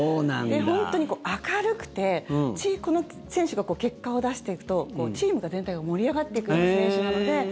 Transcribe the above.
本当に明るくてこの選手が結果を出していくとチーム全体が盛り上がっていく選手なので。